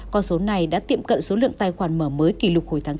con số này đã tiệm cận số lượng tài khoản mở mới kỷ lục hồi tháng bốn